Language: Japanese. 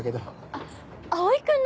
あっ蒼君の！